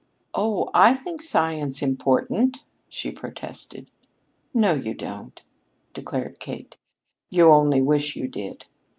"Oh, I think science important!" she protested. "No, you don't," declared Kate; "you only wish you did.